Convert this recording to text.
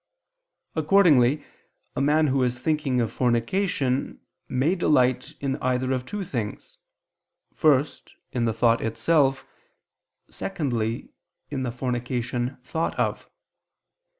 Accordingly a man who is thinking of fornication, may delight in either of two things: first, in the thought itself, secondly, in the fornication thought of.